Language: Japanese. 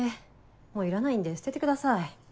もういらないんで捨ててください。